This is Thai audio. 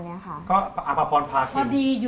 เค้าอาฟัรพรันภาคิม